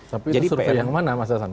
tapi survei yang mana mas yassan